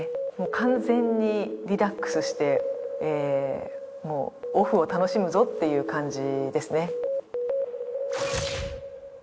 完全にリラックスしてもうオフを楽しむぞっていう感じですね